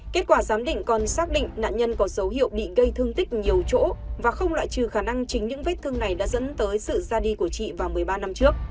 kết quả giám định còn xác định nạn nhân có dấu hiệu bị gây thương tích nhiều chỗ và không loại trừ khả năng chính những vết thương này đã dẫn tới sự ra đi của chị vào một mươi ba năm trước